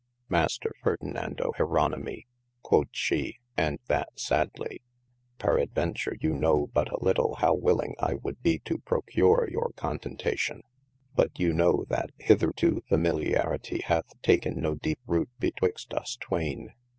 Maister Fardinando Jeronomii (quod she, & that sadly) peradventure you know but a litle how willing I would be to procure your con densation, but you know that hitherto familliarytie hath taken no deepe roote beetwixt us twaine.